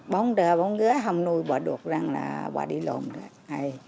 bố không đưa bố không ghé không nuôi bà được bà đi lồn rồi